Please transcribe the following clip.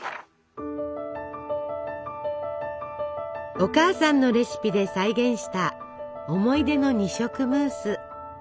お母さんのレシピで再現した思い出の二色ムース。